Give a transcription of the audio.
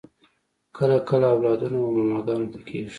کله کله اولادونه و ماماګانو ته کیږي